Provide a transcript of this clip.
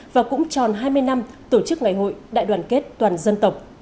và cũng tròn hai mươi năm tổ chức ngày hội đại đoàn kết toàn dân tộc